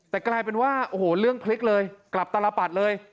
แต่กลายเป็นว่าโอ้โหเรื่องพลิกเลยกลับตลปัดเลย